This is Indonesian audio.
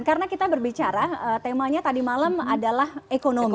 karena kita berbicara temanya tadi malam adalah ekonomi